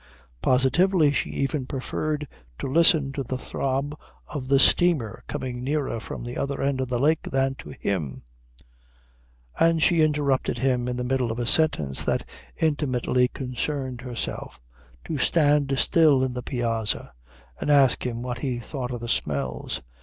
Positively she even preferred to listen to the throb of the steamer coming nearer from the other end of the lake than to him; and she interrupted him in the middle of a sentence that intimately concerned herself to stand still in the piazza and ask him what he thought of the smells.